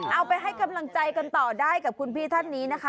เอาไปให้กำลังใจกันต่อได้กับคุณพี่ท่านนี้นะคะ